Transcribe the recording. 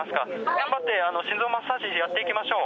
頑張って心臓マッサージやっていきましょう。